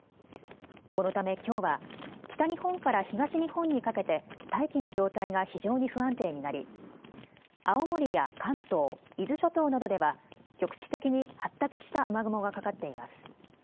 このため、きょうは北日本から東日本にかけて大気の状態が非常に不安定になり青森や関東、伊豆諸島などでは局地的に発達した雨雲がかかっています。